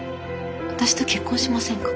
私と結婚しませんか。